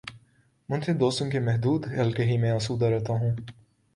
منتخب دوستوں کے محدود حلقے ہی میں آسودہ رہتا ہوں۔